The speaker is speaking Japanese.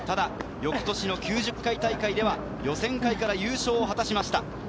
翌年９０回大会では予選会から優勝を果たしました。